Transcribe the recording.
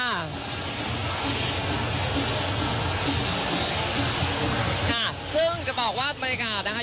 ซึ่งสุดนี้จะบอกว่าบรรยากาศนะคะ